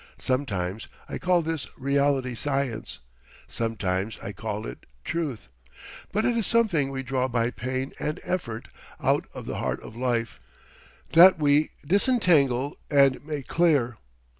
Sometimes I call this reality Science, sometimes I call it Truth. But it is something we draw by pain and effort ont of the heart of life, that we disentangle and make clear.